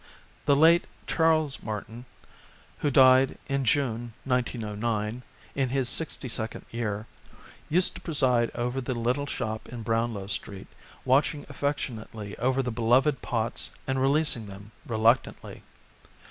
The late Charles Martin, who died in June 1909, in his sixty second year, used to preside over the little shop in Brownlow Street, watching affection ately over the beloved pots and releasing them reluctantly.